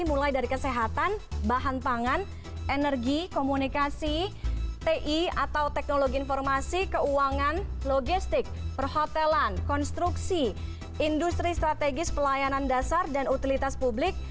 mulai dari kesehatan bahan pangan energi komunikasi ti atau teknologi informasi keuangan logistik perhotelan konstruksi industri strategis pelayanan dasar dan utilitas publik